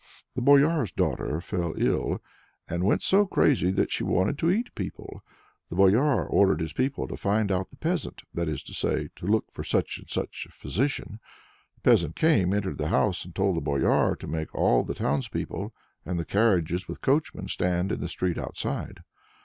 The Boyar's daughter fell ill, and went so crazy that she wanted to eat people. The Boyar ordered his people to find out the peasant (that is to say) to look for such and such a physician. The peasant came, entered the house, and told Boyar to make all the townspeople, and the carriages with coachmen, stand in the street outside.